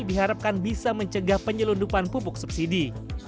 diharapkan bisa mencegah penyelundupan pupuk subsidi